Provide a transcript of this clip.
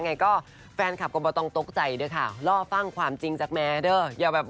ไงก็แฟนคลับก็มาต้องตกใจนะคะเล่าฟังความจริงจากแม่เดี่ยวแบบ